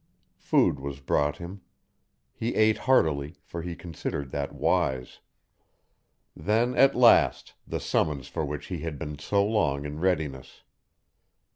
Food was brought him. He ate heartily, for he considered that wise. Then at last the summons for which he had been so long in readiness.